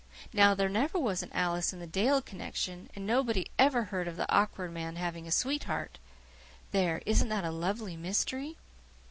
Now, there never was an Alice in the Dale connection and nobody ever heard of the Awkward Man having a sweetheart. There, isn't that a lovely mystery?"